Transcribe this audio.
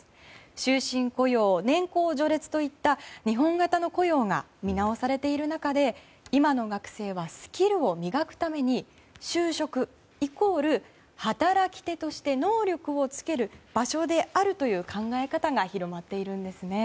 終身雇用、年功序列といった日本型の雇用が見直されている中で今の学生はスキルを磨くために就職イコール、働き手として能力をつける場所であるという考え方が広がっているんですね。